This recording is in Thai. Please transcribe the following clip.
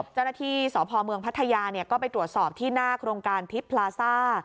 เจ้าหน้าที่สพเมืองพัทยาก็ไปตรวจสอบที่หน้าโครงการทิพย์พลาซ่า